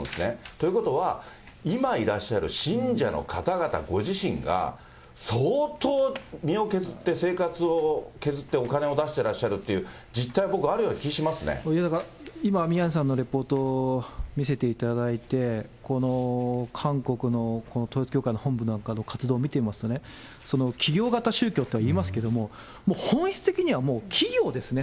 ということは、今いらっしゃる信者の方々ご自身が、相当身を削って、生活を削って、お金を出してらっしゃるという実態、今、宮根さんのレポート、見せていただいて、この韓国の統一教会の本部なんかの活動を見ていますとね、企業型宗教といいますけども、本質的には企業ですね。